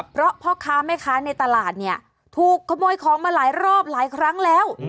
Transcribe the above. เพราะพ่อค้าแม่ค้าในตลาดเนี่ยถูกขโมยของมาหลายรอบหลายครั้งแล้ว